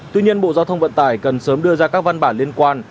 tuy nhiên bộ giao thông vận tải cần sớm đưa ra các văn bản liên quan